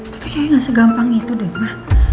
tapi kayaknya gak segampang itu deh ma